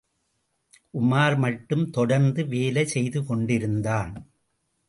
உமார் மட்டும், தொடர்ந்து வேலை செய்துகொண்டிருந்தான்.